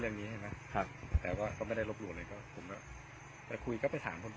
แต่ว่ามันยังไงเราควรผมควรไม่ค่อยเชื่อเรื่องนี้ใช่